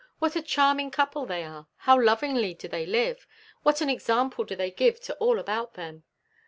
What a charming couple are they! How lovingly do they live! What an example do they give to all about them!"